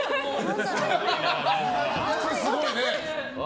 靴、すごいね。